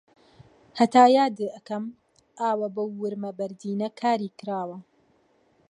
هەتا یاد ئەکەم ئاوە بەو ورمە بەردینە کاری کراوە